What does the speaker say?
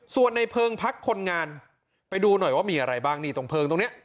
ส่วนในเพลิงพักคนงานไปดูหน่อยว่ามีอะไรบ้างนี่ตรงเพลิงตรงนี้